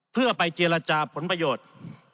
เพื่อไปเจรจาผลประโยชน์